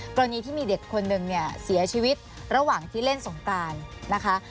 กรณีที่มีเด็กคนนึงเนี่ยเสียชีวิตระหว่างที่เล่นสงการนะคะ